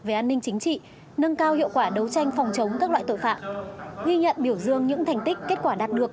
về an ninh chính trị nâng cao hiệu quả đấu tranh phòng chống các loại tội phạm ghi nhận biểu dương những thành tích kết quả đạt được